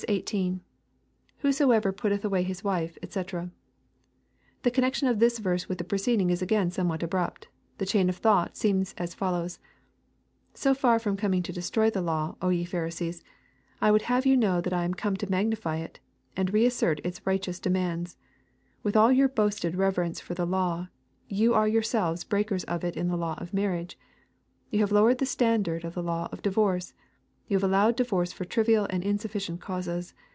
IB,— [Whosoever putteth away his wife^ &c^ The conneijtion of this verse with the preceding is again somewhat abrupt The chain of thought seems as follows :—" So far from coming to destroy the law, O ye Pharisees, I would have yoa know that I am come to magnify it, and reassert its righteous demands. With all your boasted reverence for the law, you are yourselves breakers of it in the law of marriage. You have lowered the standard of the law of divorce. You have allowed divorce for trivial and insufficient causes.